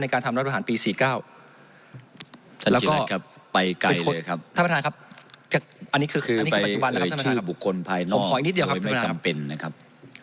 ในการทำรอดประหลาดปี๔๙แล้วก็คือไปเอ่ยชื่อบุคคลภายนอกโดยไม่จำเป็นนะครับ